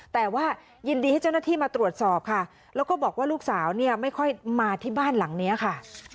แต่ว่ายินดีให้เจ้าหน้าที่มาตรวจสอบค่ะแล้วก็บอกว่าลูกสาวเนี่ยไม่ค่อยมาที่บ้านหลังนี้ค่ะ